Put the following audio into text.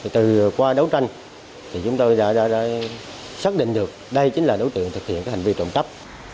từ qua đấu tranh thì chúng tôi đã xác định được đây chính là đối tượng thực hiện hành vi trộm cắp